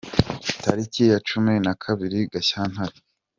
Tariki ya cumi na kabiri Gashyantare